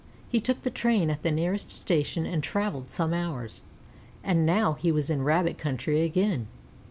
He took the train at the nearest station and travelled some hours, and now he was in Rabbit country again.